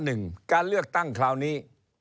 การเลือกตั้งคราวนี้